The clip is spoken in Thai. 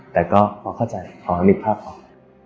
แต่ก็พอเข้าใจพอละลึกภาพผม